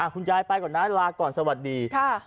คุณยายไปก่อนนะลาก่อนสวัสดี